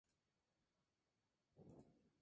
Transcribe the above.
David de Miguel, Domingo Rojo y Alberto García.